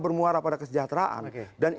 bermuara pada kesejahteraan